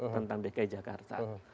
tentang dki jakarta